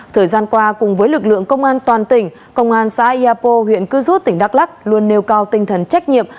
thời gian qua cùng với lực lượng công an toàn tỉnh công an xã yapo huyện cư rút tỉnh đắk lắc luôn nêu cao tinh thần trách nhiệm